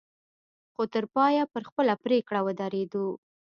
خو تر پايه پر خپله پرېکړه ودرېدو.